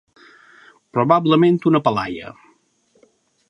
Probablement una palaia.